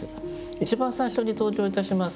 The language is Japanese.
一番最初に登場いたします